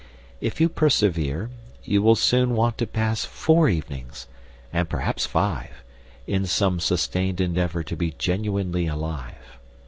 If you persevere you will soon want to pass four evenings, and perhaps five, in some sustained endeavour to be genuinely alive.